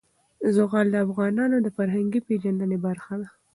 زغال د افغانانو د فرهنګي پیژندنې برخه ده.